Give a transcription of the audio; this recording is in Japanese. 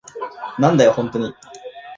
なんだよ、ホントに。